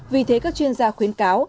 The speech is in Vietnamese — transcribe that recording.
vì thế các chuyên gia khuyến cáo